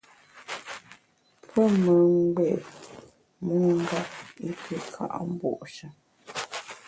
Pe me ngbé’ mongep i pi ka’ mbu’she.